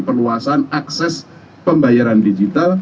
perluasan akses pembayaran digital